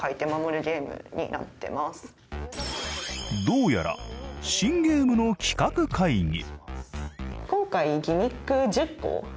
どうやら新ゲームの企画会議。